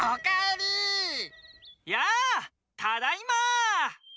やあただいま！